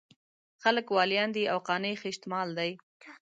خلک واليان دي او قانع خېشت مال دی.